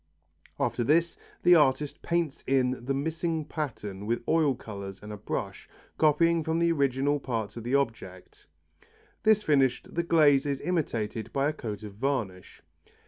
After this the artist paints in the missing pattern with oil colours and a brush, copying from the original parts of the object. This finished, the glaze is imitated by a coat of varnish.